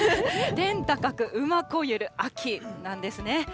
天高く馬肥ゆる秋なんですね。